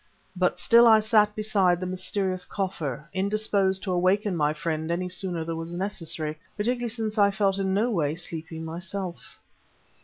But still I sat beside the mysterious coffer, indisposed to awaken my friend any sooner than was necessary, particularly since I felt in no way sleepy myself.